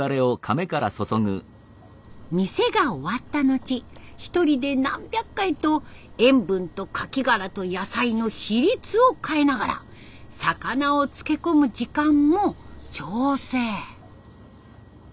店が終わった後一人で何百回と塩分とカキ殻と野菜の比率を変えながら魚を漬け込む時間も調整。